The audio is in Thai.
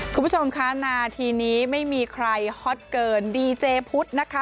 คุณผู้ชมคะนาทีนี้ไม่มีใครฮอตเกินดีเจพุทธนะคะ